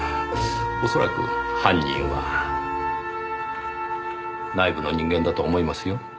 おそらく犯人は内部の人間だと思いますよ。